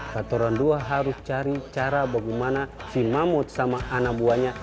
katoran dua harus cari cara bagaimana si mamut sama anak buahnya